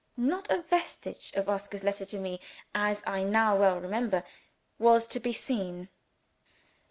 Not a vestige of Oscar's letter to me (as I now well remember) was to be seen.